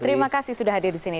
terima kasih sudah hadir di sini